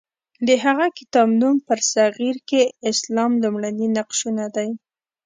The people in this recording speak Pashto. د هغه کتاب نوم برصغیر کې اسلام لومړني نقشونه دی.